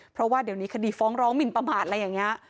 เพราะว่าเดี๋ยวนี้คดีฟ้องร้องหมินประมาทอะไรอย่างนี้